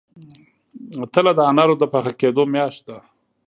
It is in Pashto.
تله د انارو د پاخه کیدو میاشت ده.